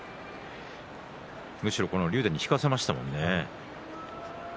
むしろ竜電に引かせましたものね。